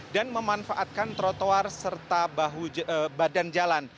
dan memanfaatkan trotoar serta badan jalan